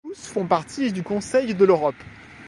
Tous font partie du Conseil de l'Europe.